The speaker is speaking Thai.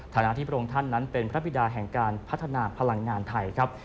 ฐานะที่พระองค์ท่านนั้นเป็นพระบิดาแห่งการพัฒนาพลังงานไทยครับ